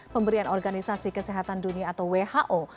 pemberian organisasi kesehatan dunia atau who